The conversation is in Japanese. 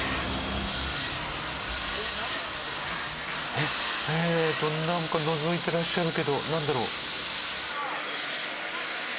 ええなんかのぞいてらっしゃるけどなんだろう？